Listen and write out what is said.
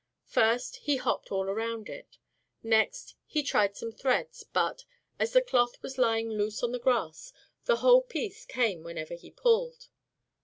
First he hopped all around it; next he tried some threads; but, as the cloth was lying loose on the grass, the whole piece came whenever he pulled.